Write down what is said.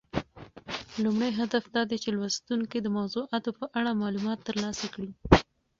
لومړی هدف دا دی چې لوستونکي د موضوعاتو په اړه معلومات ترلاسه کړي.